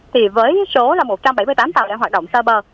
thì với số là một trăm bảy mươi tám tàu đang hoạt động xa bờ